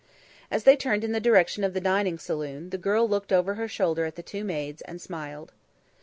As they turned in the direction of the dining saloon, the girl looked over her shoulder at the two maids, and smiled.